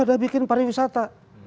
ya udah bikin pariwisata